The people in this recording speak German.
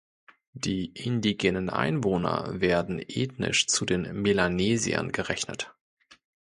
Die indigenen Einwohner werden ethnisch zu den Melanesiern gerechnet.